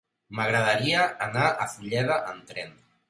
M'agradaria anar a Fulleda amb tren.